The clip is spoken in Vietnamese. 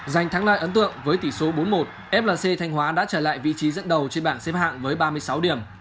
dành thắng lại ấn tượng với tỷ số bốn một flc thanh hóa đã trở lại vị trí dẫn đầu trên bảng xếp hạng với ba mươi sáu điểm